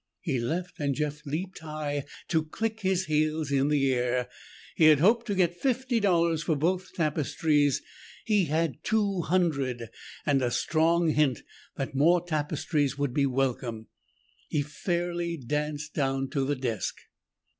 He left and Jeff leaped high to click his heels in the air. He had hoped to get fifty dollars for both tapestries. He had two hundred and a strong hint that more tapestries would be welcome. He fairly danced down to the desk.